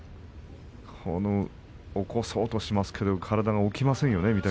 起こそうとしますが体が起きません。